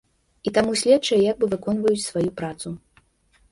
І таму следчыя як бы выконваюць сваю працу.